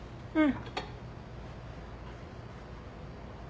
うん。